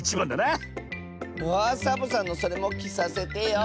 あサボさんのそれもきさせてよ。